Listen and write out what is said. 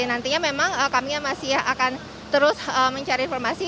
jadi nantinya memang kami masih akan terus mencari informasi